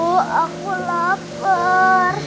bu aku lapar